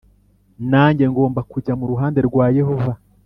nanjye ngomba kujya mu ruhande rwa Yehova